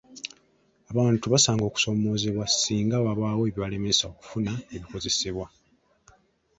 Abantu basanga okusoomoozebwa singa wabaawo ebibalemesa okufuna ebikozesebwa.